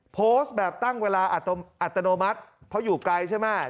โพสต์แบบตั้งเวลาอัตโนมัติเพราะอยู่ไกลใช่ไหม